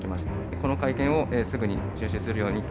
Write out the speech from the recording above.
この会見をすぐに中止するようにと。